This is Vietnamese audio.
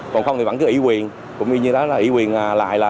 còn không thì vẫn cứ ủy quyền cũng như đó là ủy quyền lại là